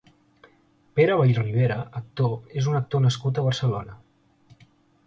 Pere Vallribera (actor) és un actor nascut a Barcelona.